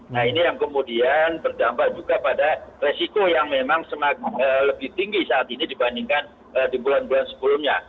nah ini yang kemudian berdampak juga pada resiko yang memang lebih tinggi saat ini dibandingkan di bulan bulan sebelumnya